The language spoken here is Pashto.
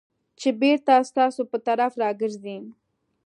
چې بېرته ستاسو په طرف راګرځي .